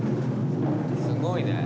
すごいねぇ。